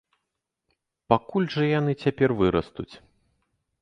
Пакуль жа яны цяпер вырастуць!